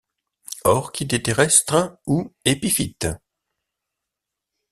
Orchidées terrestres ou épiphytes.